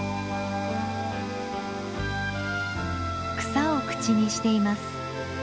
草を口にしています。